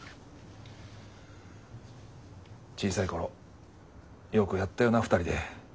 小さい頃よくやったよな２人で。